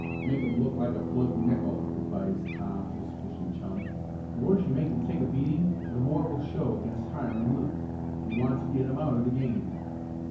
"Make 'em look like a plugged nickel," advised Tom to his pitching chum. "The worse you make 'em take a beating the more it will show against Hiram and Luke. We want to get 'em out of the game."